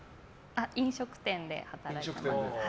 飲食店で働いてます。